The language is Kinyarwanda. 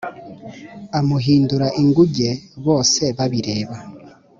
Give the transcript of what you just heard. amuhindura ingunge, bose babireba